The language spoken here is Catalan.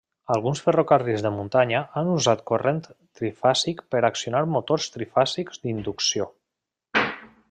Alguns ferrocarrils de muntanya han usat corrent trifàsic per accionar motors trifàsics d'inducció.